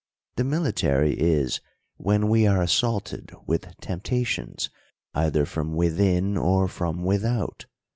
The military is, when we are assaulted with temptations, either from within or from without.